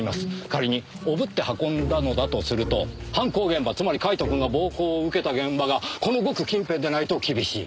仮におぶって運んだのだとすると犯行現場つまりカイトくんが暴行を受けた現場がこのごく近辺でないと厳しい。